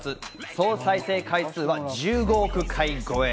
総再生回数は１５億回超え。